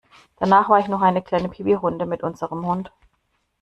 Danach war ich noch eine kleine Pipirunde mit unserem Hund.